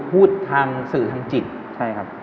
พูดทางสื่อทางจิต